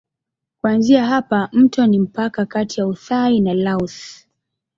Kuanzia hapa mto ni mpaka kati ya Uthai na Laos.